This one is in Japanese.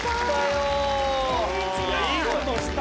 いやいい事した。